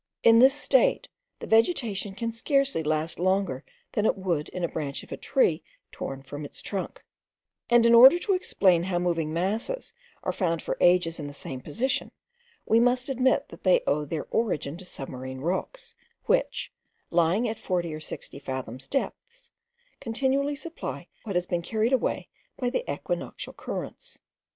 In this state, the vegetation can scarcely last longer than it would in the branch of a tree torn from its trunk; and in order to explain how moving masses are found for ages in the same position, we must admit that they owe their origin to submarine rocks, which, lying at forty or sixty fathoms' depth, continually supply what has been carried away by the equinoctial currents.